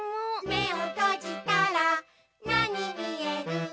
「めをとじたらなにみえる？」